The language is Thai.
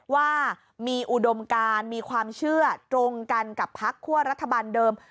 ว่ามีอุดมการมีความเชื่อตรงกันกับพักคั่วรัฐบาลเดิม